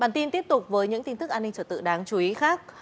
bản tin tiếp tục với những tin tức an ninh trở tự đáng chú ý khác